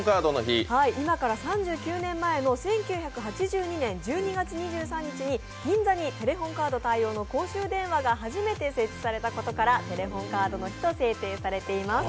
今から３９年前の１９８２年１２月２３日に銀座にテレホンカード対応の公衆電話が初めて設置されたことからテレホンカードの日と制定されています。